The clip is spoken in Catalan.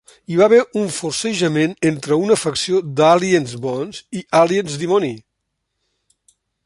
Hi va haver un forcejament entre una facció d"aliens bons i aliens dimoni.